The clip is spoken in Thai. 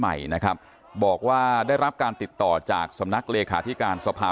เพื่อยุดยั้งการสืบทอดอำนาจของขอสอชอและยังพร้อมจะเป็นนายกรัฐมนตรี